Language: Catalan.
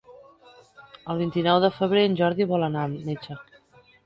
El vint-i-nou de febrer en Jordi vol anar al metge.